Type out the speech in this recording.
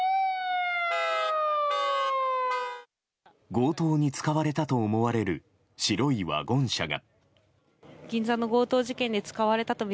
強盗に使われたと思われる白いワゴン車が。